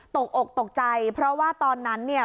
ตกอกตกใจเพราะว่าตอนนั้นเนี่ย